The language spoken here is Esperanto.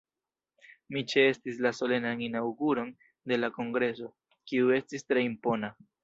Mi ĉeestis la Solenan Inaŭguron de la kongreso, kiu estis tre impona.